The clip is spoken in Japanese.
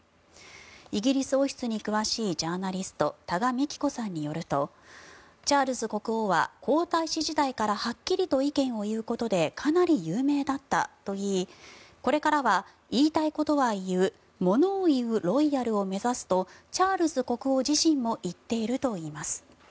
イギリス王室に詳しいジャーナリスト多賀幹子さんによるとチャールズ国王は皇太子時代からはっきりと意見を言うことでかなり有名だったといいこれからは言いたいことは言うものを言うロイヤルを目指すとチャールズ国王自身も言っているといいます。